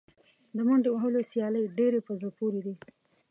د منډې وهلو سیالۍ ډېرې په زړه پورې دي.